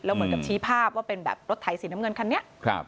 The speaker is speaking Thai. เหมือนกับชี้ภาพว่าเป็นแบบรถไถสีน้ำเงินคันนี้